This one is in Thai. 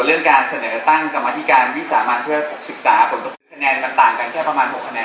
เรื่องการเสนอต้านกรรมพิการวิทยามากี่คะแนนมันต่างกันแค่ประมาณ๖คะแนน